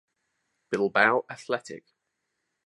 Bilbao Athletic